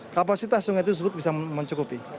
kapasitas sungai itu sebetulnya bisa mencukupi